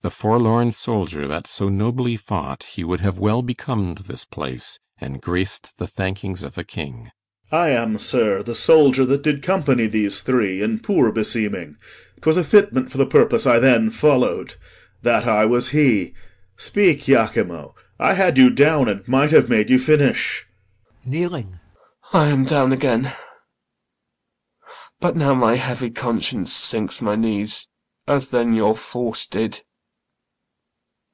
CYMBELINE. The forlorn soldier, that so nobly fought, He would have well becom'd this place and grac'd The thankings of a king. POSTHUMUS. I am, sir, The soldier that did company these three In poor beseeming; 'twas a fitment for The purpose I then follow'd. That I was he, Speak, Iachimo. I had you down, and might Have made you finish. IACHIMO. [Kneeling] I am down again; But now my heavy conscience sinks my knee, As then your force did.